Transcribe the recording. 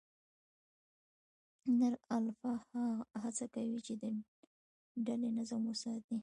نر الفا هڅه کوي، چې د ډلې نظم وساتي.